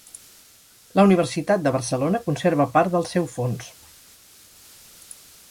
La Universitat de Barcelona conserva part del seu fons.